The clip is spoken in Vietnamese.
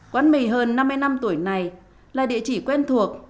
quán mì hơn năm mươi năm tuổi này là địa chỉ quen thuộc